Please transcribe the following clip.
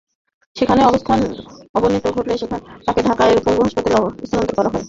সেখানে অবস্থার অবনতি ঘটলে তাঁকে ঢাকার পঙ্গু হাসপাতালে স্থানান্তর করা হয়।